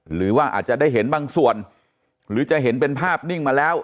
หรือว่าอาจจะได้เห็นบางส่วนหรือจะเห็นเป็นภาพนิ่งมาแล้ว